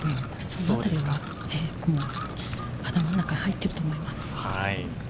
そのあたりは頭の中に入っていると思います。